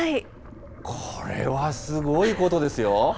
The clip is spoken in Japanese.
これはすごいことですよ。